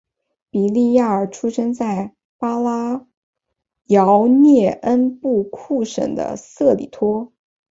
比利亚尔出生在巴拉圭涅恩布库省的塞里托。